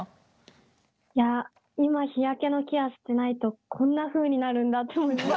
今日焼けのケアしてないとこんなふうになるんだって。